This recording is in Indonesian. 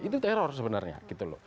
itu teror sebenarnya gitu loh